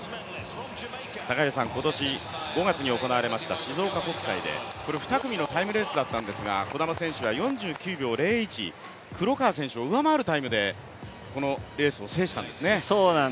今年、５月に行われました静岡国際で２組のタイムレースだったんですが児玉選手は４９秒０１、黒川選手を上回るタイムでこのレースを制したんですね。